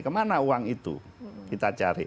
kemana uang itu kita cari